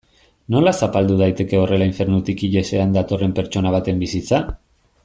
Nola zapaldu daiteke horrela infernutik ihesean datorren pertsona baten bizitza?